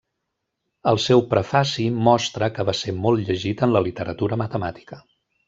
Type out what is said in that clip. El seu prefaci mostra que va ser molt llegit en la literatura matemàtica.